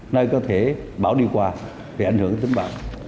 nơi có thể bão đi qua gây ảnh hưởng đến tính mạng